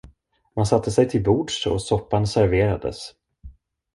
Man satte sig till bords och soppan serverades.